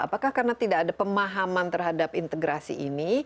apakah karena tidak ada pemahaman terhadap integrasi ini